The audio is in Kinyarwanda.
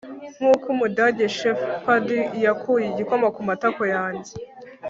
nkuko umudage sheppard yakuye igikoma kumatako yanjye